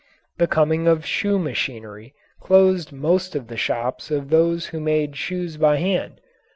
The coming of shoe machinery closed most of the shops of those who made shoes by hand.